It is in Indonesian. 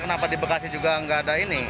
kenapa di bekasi juga nggak ada ini